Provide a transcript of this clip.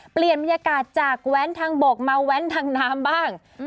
เปลี่ยนบรรยากาศจากแว้นทางบกมาแว้นทางน้ำบ้าง